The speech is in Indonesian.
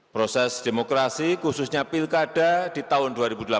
proses demokrasi khususnya pilkada di tahun dua ribu delapan belas